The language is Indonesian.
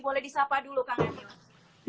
boleh disapa dulu kang emil